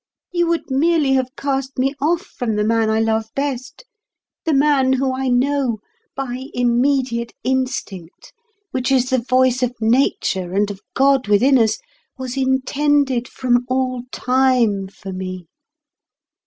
You would merely have cast me off from the man I love best, the man who I know by immediate instinct, which is the voice of nature and of God within us, was intended from all time for me.